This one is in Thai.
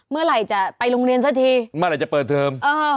เมื่อไหร่จะไปโรงเรียนสักทีเมื่อไหร่จะเปิดเทอม